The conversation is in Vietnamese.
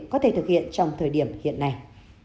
có thể thực hiện trong thời điểm hiện nay